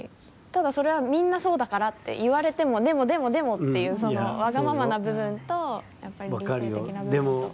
ただ、それはみんなそうだからって言われても「でも、でも、でも」っていうわがままな部分と理性的な部分と。分かるよ。